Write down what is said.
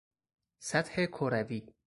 سطح کروی